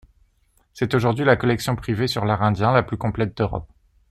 C’est aujourd’hui la collection privée sur l’art indien la plus complète d’Europe.